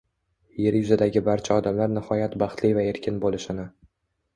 Yer yuzidagi barcha odamlar nihoyat baxtli va erkin boʻlishini